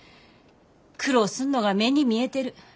苦労すんのが目に見えてる。